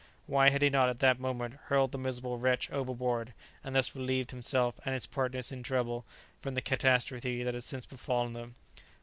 why had he not at that moment hurled the miserable wretch overboard, and thus relieved himself and his partners in trouble from the catastrophe that had since befallen them?